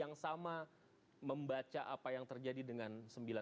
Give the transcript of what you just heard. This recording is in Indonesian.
yang sama membaca apa yang terjadi dengan sembilan